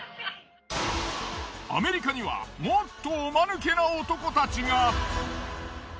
アメリカにはもっとおマヌケな男たちが。